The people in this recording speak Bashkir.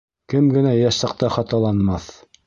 Кем генә йәш саҡта хаталанмаҫ.